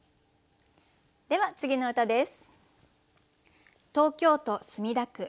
では次の歌です。